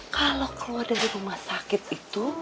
kalau keluar dari rumah sakit itu